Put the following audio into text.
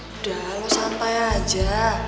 udah lo santai aja